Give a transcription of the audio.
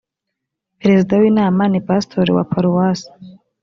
perezida w inama ni pasitori wa paruwase